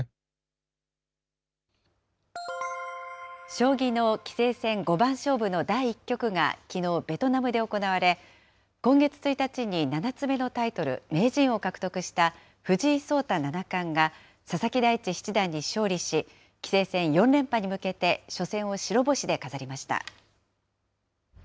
将棋の棋聖戦五番勝負の第１局がきのう、ベトナムで行われ、今月１日に７つ目のタイトル、名人を獲得した藤井聡太七冠が佐々木大地七段に勝利し、棋聖戦４連覇に向けて、初戦を白星で飾りました。